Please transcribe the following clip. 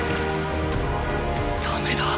ダメだ！